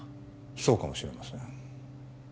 そうかもしれません